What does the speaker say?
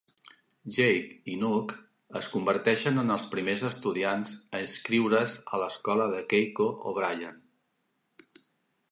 Jake i Nog es converteixen en els primers estudiants a inscriure's a l'escola de Keiko O'Brien.